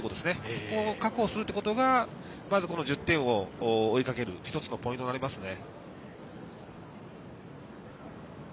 そこを確保するということがまず１０点を追いかける１つのポイントとなりますね。